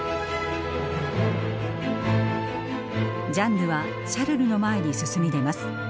ジャンヌはシャルルの前に進み出ます。